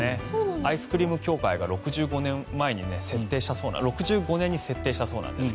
アイスクリーム協会が６５年に設定したそうなんです。